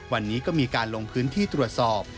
วันนี้ก็มีการลงพื้นที่ตรวจสอบ